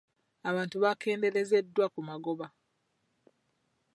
Abantu bakendeerezeddwa ku magoba.